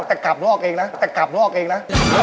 แต่กลับนอกเองนะแต่กลับนอกเองนะ